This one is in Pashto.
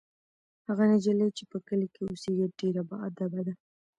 هغه نجلۍ چې په کلي کې اوسیږي ډېره باادبه ده.